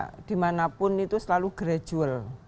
kemiskinan itu selalu gradual